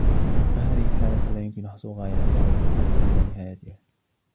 وَهَذِهِ حَالَةٌ لَا يُمْكِنُ حَصْرُ غَايَتِهَا ، وَلَا الْوُقُوفُ عِنْدَ نِهَايَتِهَا